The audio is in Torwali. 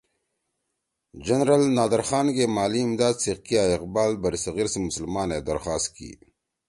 جنرل نادرخان گے مالی امداد سی کیا اقبال برصغیر سی مسلمانا ئے درخواست کی